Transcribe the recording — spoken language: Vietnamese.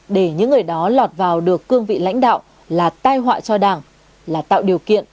để những người đó lọt vào được cương vị lãnh đạo là tai họa cho đảng là tạo điều kiện